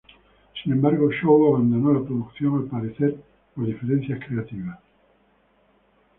Sin embargo, Chow abandonó la producción, al parecer, por diferencias creativas.